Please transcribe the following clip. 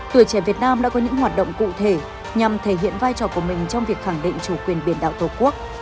tuổi trẻ việt nam đã có những hoạt động cụ thể nhằm thể hiện vai trò của mình trong việc khẳng định chủ quyền biển đảo tổ quốc